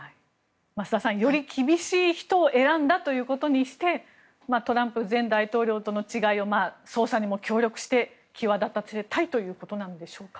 増田さん、より厳しい人を選んだということにしてトランプ前大統領との違いを捜査にも協力して際立たせたいということなんでしょうか。